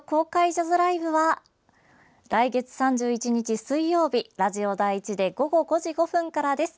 ジャズライブは来月８月３１日、水曜日ラジオ第１で午後５時５分からです。